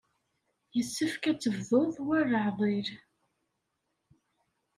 Yessefk ad tebdud war leɛḍil.